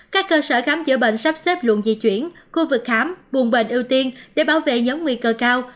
các cơ sở khám chữa bệnh sắp xếp luận di chuyển khu vực khám buồn bệnh ưu tiên để bảo vệ nhóm nguy cơ cao